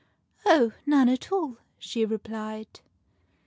" Oh, none at all," she replied.